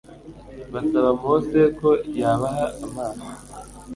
basaba Mose ko yabaha amazi